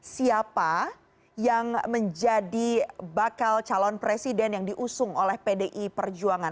siapa yang menjadi bakal calon presiden yang diusung oleh pdi perjuangan